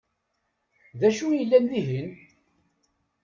D acu i yellan dihin?